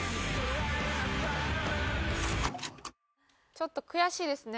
ちょっと悔しいですね